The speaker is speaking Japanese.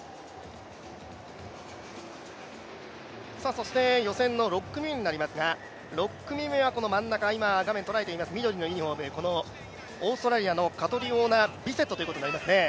そして予選の６組目になりますが、６組目は画面の真ん中緑のユニフォーム、オーストラリアのカトリオーナ・ビセットになります。